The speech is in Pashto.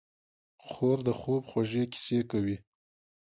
خور د خوب خوږې کیسې کوي.